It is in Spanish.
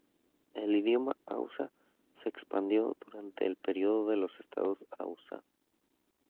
El idioma hausa se expandió durante el período de los estados hausa.